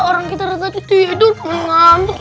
orang kita tadi tidur ngantuk